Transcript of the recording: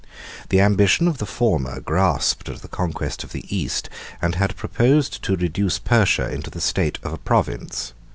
The ambition of the former grasped at the conquest of the East, and had proposed to reduce Persia into the state of a province.